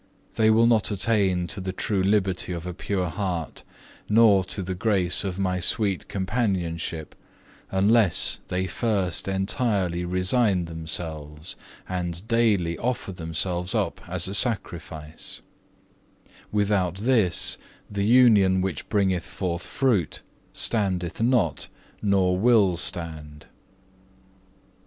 They will not attain to the true liberty of a pure heart, nor to the grace of My sweet companionship, unless they first entirely resign themselves and daily offer themselves up as a sacrifice; without this the union which bringeth forth fruit standeth not nor will stand.